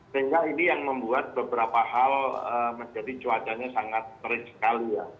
sehingga ini yang membuat beberapa hal menjadi cuacanya sangat terik sekali ya